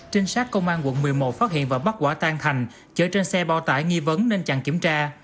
trinh sát công an quận một mươi một phát hiện và bắt quả tan thành chở trên xe bao tải nghi vấn nên chặn kiểm tra